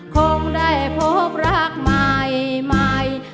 คงได้พบรักใหม่ใหม่